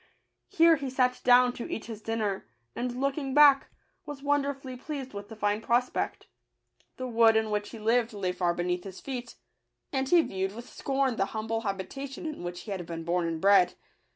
Here he sat down to eat his dinner ; and looking back, was wonderfully pleased with I ft !^ life —— rc i ml 3J Digitized by v^ooQle _V |! the fine prospect. The wood in which he lived lay far beneath his feet, and he viewed with scorn the humble habitation in which he had been born and bred.